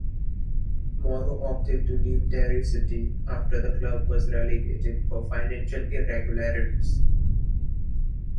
Morrow opted to leave Derry City after the club was relegated for financial irregularities.